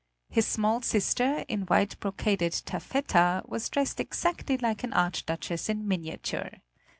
His small sister, in white brocaded taffeta, was dressed exactly like an archduchess in miniature.